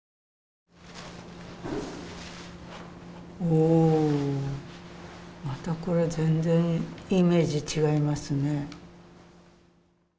おおまたこれ全然イメージ違いますね。